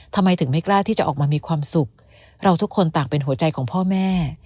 ทำไมถึงไม่กล้าที่จะออกมามีความสุขเราทุกคนต่างเป็นหัวใจของพ่อแม่